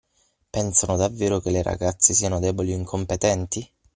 Pensano davvero che le ragazze siano deboli o incompetenti?